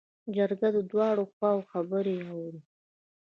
جرګه د دواړو خواوو خبرې اوري.